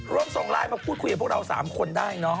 ส่งไลน์มาพูดคุยกับพวกเรา๓คนได้เนอะ